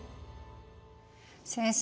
先生